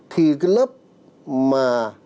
thì cái lớp mà